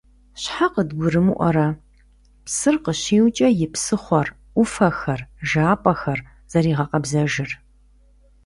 Щхьэ къыдгурымыӀуэрэ псыр къыщиукӀэ и псыхъуэр, Ӏуфэхэр, жапӀэхэр зэригъэкъэбзэжыр?!